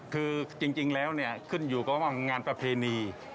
คือจริงแล้วขึ้นอยู่กับงานประเพณี